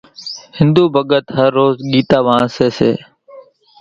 ۿينۮُو ڀڳت هروز ڳيتا وانسيَ سي۔